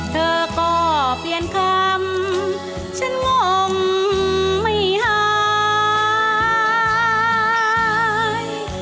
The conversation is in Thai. เธอก็เปลี่ยนคำฉันงงไม่หาย